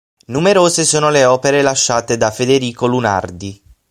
Numerose sono le opere lasciate da Federico Lunardi.